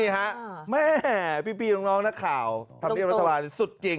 แหมพี่น้องนาข่าวทำเก่งทางหน้าถุวันสุดจริง